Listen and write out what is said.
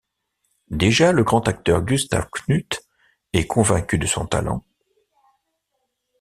Déjà, le grand acteur Gustav Knuth est convaincu de son talent.